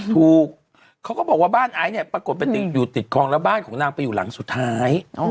ถูกเขาก็บอกว่าบ้านไอซ์เนี่ยปรากฏไปติดอยู่ติดคลองแล้วบ้านของนางไปอยู่หลังสุดท้าย